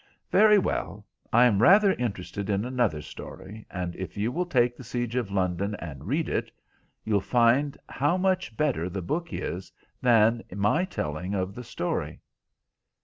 "Very well, I am rather interested in another story, and if you will take The Siege of London, and read it, you'll find how much better the book is than my telling of the story."